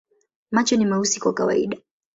Macho ni meusi kwa kawaida.